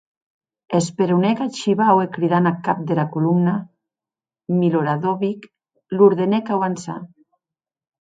Esperonèc ath shivau e cridant ath cap dera colomna, Miloradovic, l’ordenèc auançar.